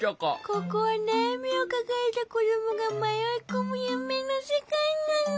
ここはなやみをかかえたこどもがまよいこむゆめのせかいなの。